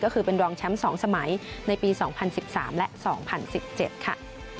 ก็คือเป็นรองแชมป์๒สมัยในปี๒๐๑๓และ๒๐๑๗ค่ะ